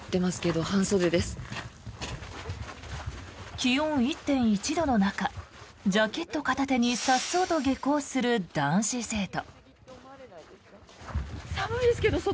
気温１．１度の中ジャケット片手にさっそうと下校する男子生徒。